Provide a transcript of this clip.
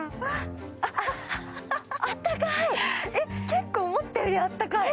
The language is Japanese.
結構、思ったよりあったかい。